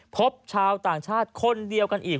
พบชาวต่างชาติคนเดียวกันอีก